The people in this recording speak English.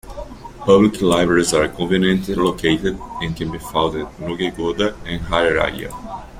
Public Libraries are conveniently located, and can be found at Nugegoda and Rajagiriya.